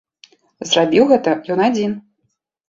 Зрабіў гэта ён адзін.